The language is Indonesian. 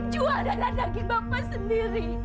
jual dana daging bapak sendiri